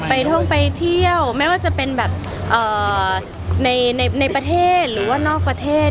ท่องไปเที่ยวไม่ว่าจะเป็นแบบในประเทศหรือว่านอกประเทศ